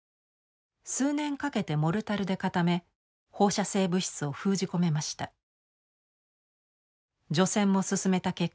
数年かけてモルタルで固め放射性物質を封じ込めました。